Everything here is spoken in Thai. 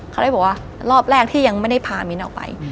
เขาเลยบอกว่ารอบแรกที่ยังไม่ได้พามิ้นออกไป